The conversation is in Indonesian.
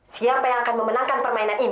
siapa yang akan memenangkan permainan ini